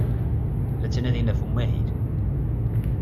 La ttnadin ɣef umahil.